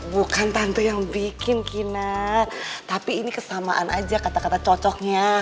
bukan tantu yang bikin kina tapi ini kesamaan aja kata kata cocoknya